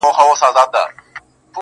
سترګي دي هغسي نسه وې، نسه یي ـ یې کړمه.